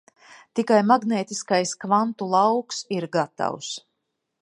Tikai magnētiskais kvantu lauks ir gatavs.